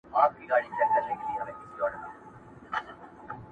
خلاصول يې خپل ځانونه اولادونه!!